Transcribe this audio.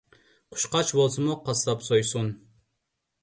قۇشقاچ بولسىمۇ قاسساپ سويسۇن.